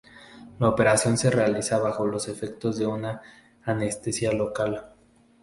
La operación se realiza bajo los efectos de una anestesia local.